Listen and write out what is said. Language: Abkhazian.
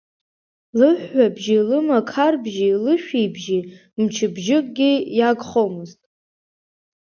Лыҳәҳәабжьи лымақарбжьи, лышәибжьи мчыбжьыкгьы иагхомызт!